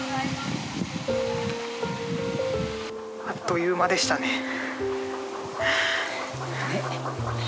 あっという間でしたね。